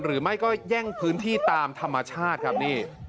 หรือไม่ก็แย่งพื้นที่ตามธรรมชาติครับนี่